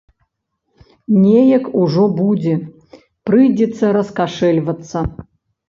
Неяк ужо будзе, прыйдзецца раскашэльвацца.